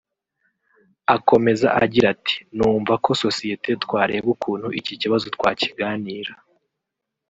Akomeza agira ati “Numva ko sosiyeti twareba ukuntu iki kibazo twakiganira